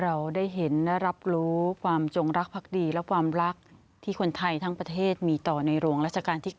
เราได้เห็นและรับรู้ความจงรักภักดีและความรักที่คนไทยทั้งประเทศมีต่อในหลวงราชการที่๙